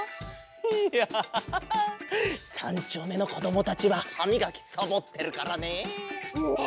いや３ちょうめのこどもたちははみがきサボってるからね！ね！